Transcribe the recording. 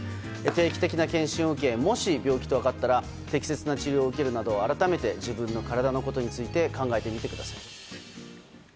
定期的な検診を受けもし病気と分かったら適切な治療を受けるなど改めて自分の体のことについて考えてみてください。